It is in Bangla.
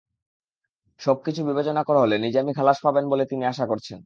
সবকিছু বিবেচনা করা হলে নিজামী খালাস পাবেন বলে তিনি আশা করছেন।